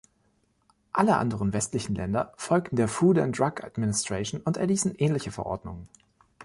Alle anderen westlichen Länder folgten der Food and Drug Administration und erließen ähnliche Verordnungen.